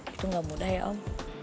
itu gak mudah ya om